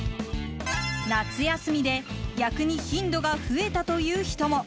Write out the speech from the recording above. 夏休みで逆に頻度が増えたという人も。